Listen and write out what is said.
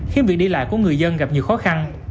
khiến việc đi lại của người dân gặp nhiều khó khăn